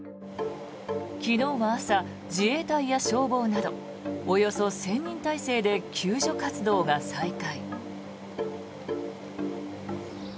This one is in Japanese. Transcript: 昨日は朝、自衛隊や消防などおよそ１０００人態勢で救助活動が再開。